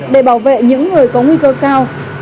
để bảo vệ những người có nguy cơ cao